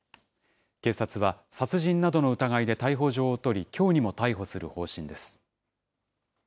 警察は、殺人などの疑いで逮捕状を取り、きょうにも逮捕する方針です。